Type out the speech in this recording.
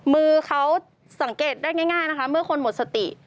มือเขาสังเกตได้ง่ายนะคะเมื่อคนหมดสติ